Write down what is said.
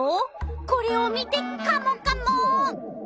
これを見てカモカモ！